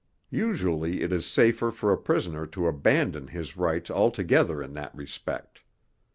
Usually it is safer for a prisoner to abandon his rights altogether in that respect.